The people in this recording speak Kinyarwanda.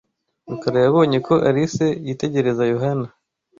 Rukara yabonye ko Alice yitegereza Yohana.